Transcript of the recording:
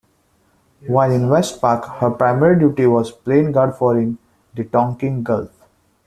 While in WestPac, her primary duty was plane guard for in the Tonkin Gulf.